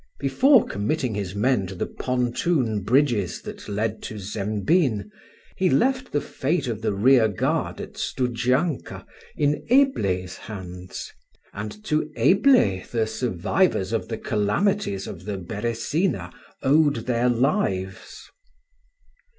Before committing his men to the pontoon bridges that led to Zembin, he left the fate of the rearguard at Studzianka in Eble's hands, and to Eble the survivors of the calamities of the Beresina owed their lives.